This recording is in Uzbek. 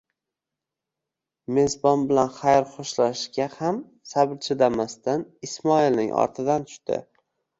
Mezbon bilan xayr xo'shlashishga ham sabri chidamasdan Ismoilning ortidan tushdi.